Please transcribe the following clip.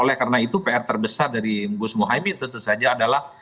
oleh karena itu pr terbesar dari gus mohaimin tentu saja adalah